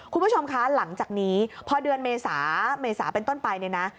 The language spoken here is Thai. คุณผู้ชมคะหลังจากนี้พอเดือนเมษาเมษาเป็นต้นไปเนี่ยนะ